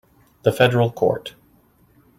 The federal court.